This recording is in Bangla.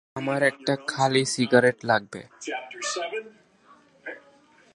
আমার একটা খালি সিগারেট লাগবে।